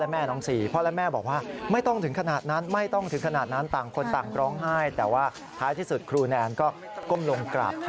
ไม่ต้องไม่ต้องไม่ต้องไม่ต้องไม่ต้อง